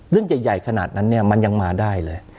เรื่องใหญ่ขนาดนั้นเนี่ยมันยังมาได้เลย